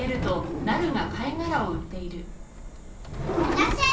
らっしゃい！